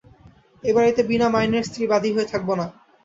এ বাড়িতে বিনা মাইনের স্ত্রী-বাঁদী হয়ে থাকব না।